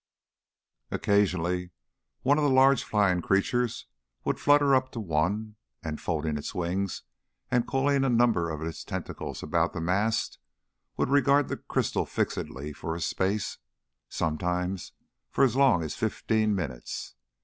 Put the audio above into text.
Occasionally one of the large flying creatures would flutter up to one, and, folding its wings and coiling a number of its tentacles about the mast, would regard the crystal fixedly for a space, sometimes for as long as fifteen minutes.